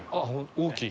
大きい？